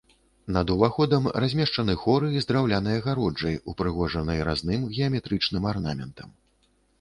Над уваходам размешчаны хоры з драўлянай агароджай, упрыгожанай разным геаметрычным арнаментам.